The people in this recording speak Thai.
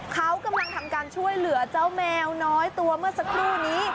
เขากำลังทำการช่วยเหลือเจ้าแมวน้อยตัวเมื่อสักครู่นี้